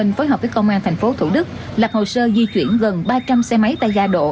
phối hợp với công an tp thủ đức lập hồ sơ di chuyển gần ba trăm linh xe máy tay gia đổ